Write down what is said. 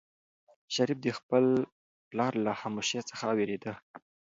شریف د خپل پلار له خاموشۍ څخه وېرېده.